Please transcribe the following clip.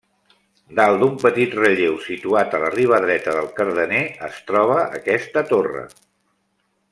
Dalt d'un petit relleu situat a la riba dreta del Cardener es troba aquesta torre.